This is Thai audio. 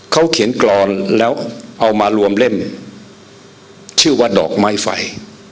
เขาเขียนกรอนแล้วเอามารวมเล่มเนี่ยชื่อว่าดอกไม้ไฟ